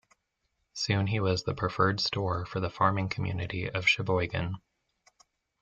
Soon he was the preferred store for the farming community of Sheboygan.